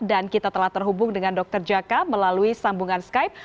dan kita telah terhubung dengan dr jaka melalui sambungan skype